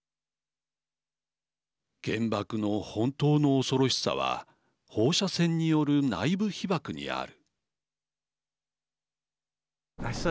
原爆の本当の恐ろしさは放射線による内部被ばくにある。